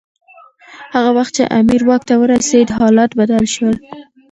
هغه وخت چي امیر واک ته ورسېد حالات بدل شول.